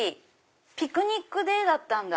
ピクニックデーだったんだ。